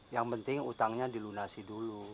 yang penting utangnya dilunasi dulu